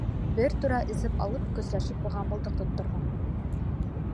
Бер түрә эсеп алып, көсләшеп быға мылтыҡ тотторҙо.